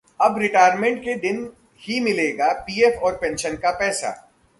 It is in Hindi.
अब रिटायरमेंट के दिन ही मिलेगा पीएफ और पेंशन का पैसा